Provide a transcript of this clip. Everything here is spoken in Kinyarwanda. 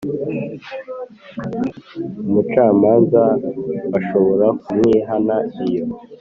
Umucamanza bashobora kumwihana iyo